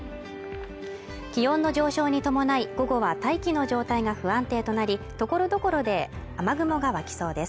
気温の上昇に伴い午後は大気の状態が不安定となりところどころで雨雲が湧きそうです